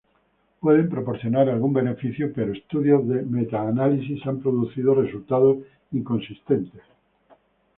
Pueden proporcionar algún beneficio pero estudios de metaanálisis han producido resultados inconsistentes.